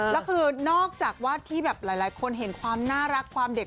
แล้วคือนอกจากว่าที่แบบหลายคนเห็นความน่ารักความเด็ก